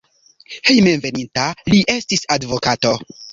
Hejmenveninta li estis advokato.